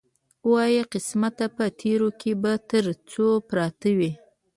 وایه قسمته په تېرو کې به تر څو پراته وي.